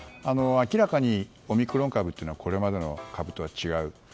明らかにオミクロン株というのはこれまでの株とは違う。